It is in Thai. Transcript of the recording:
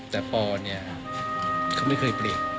แต่ปอเนี่ยเขาไม่เคยเปลี่ยน